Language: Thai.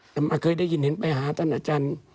แต่มาเคยได้ยินเห็นไปหาท่านอาจารย์